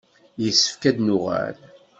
Yessefk ad d-nuɣal.